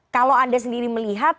kalau anda sendiri melihat